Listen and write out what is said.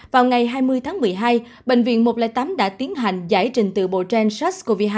vào ngày hai mươi tháng một mươi hai bệnh viện một trăm linh tám đã tiến hành giải trình từ bộ gen sars cov hai